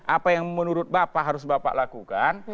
apa yang menurut bapak harus bapak lakukan